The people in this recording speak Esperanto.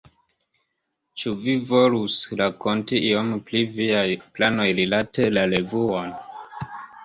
Ĉu vi volus rakonti iom pri viaj planoj rilate la revuon?